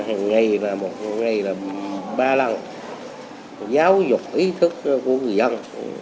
hàng ngày là một ngày là ba lần giáo dục ý thức của người dân